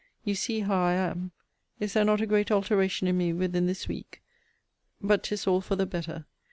You see how I am. Is there not a great alteration in me within this week! but 'tis all for the better.